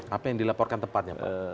apa yang dilaporkan tepatnya